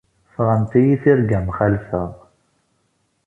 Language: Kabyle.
Ffɣent-iyi tirga mxalfa.